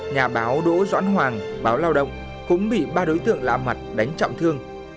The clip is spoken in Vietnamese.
nhà báo đỗ doãn hoàng báo lao động cũng bị ba đối tượng lạ mặt đánh trọng thương